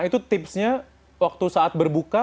itu tipsnya waktu saat berbuka